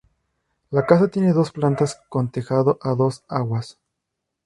La casa tiene dos plantas, con tejado a dos aguas.